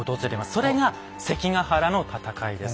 それが関ヶ原の戦いです。